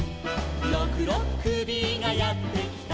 「ろくろっくびがやってきた」